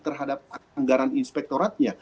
terhadap anggaran inspektoratnya